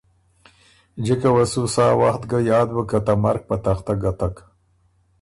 جِکه وه سو سا وخت ګه یاد بُک که ته مرګ په تختۀ ګتک۔